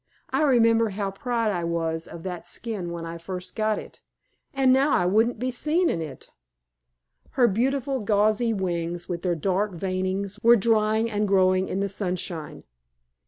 "I remember how proud I was of that skin when I first got it, and now I wouldn't be seen in it." Her beautiful gauzy wings with their dark veinings, were drying and growing in the sunshine.